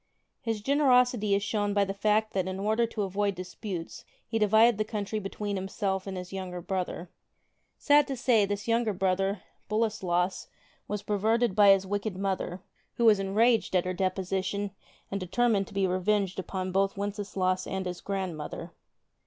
His generosity is shown by the fact that in order to avoid disputes he divided the country between himself and his younger brother. Sad to say, this younger brother, Boleslas, was perverted by his wicked mother, who was enraged at her deposition and determined to be revenged upon both Wenceslaus and his grandmother.